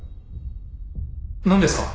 何ですか？